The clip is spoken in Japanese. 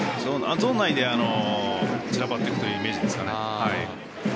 ゾーン内で散らばっていくというイメージですかね。